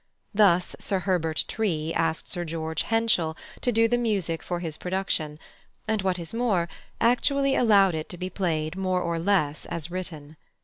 Thus, Sir Herbert Tree asked Sir George Henschel to do the music for his production, and, what is more, actually allowed it to be played more or less as written.